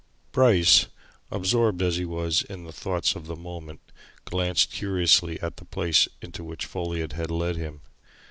Bryce, absorbed as he was in the thoughts of the moment, glanced cursorily at the place into which Folliot had led him.